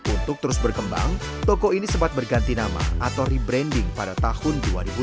untuk terus berkembang toko ini sempat berganti nama atau rebranding pada tahun dua ribu dua puluh